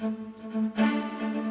dek aku mau ke sana